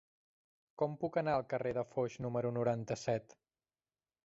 Com puc anar al carrer de Foix número noranta-set?